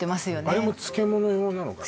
あれも漬物用なのかな